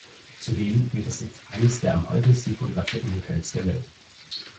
Zudem gilt es als eines der am häufigsten fotografierten Hotels der Welt.